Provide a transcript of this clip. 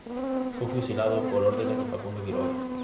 Fue fusilado por órdenes de Facundo Quiroga.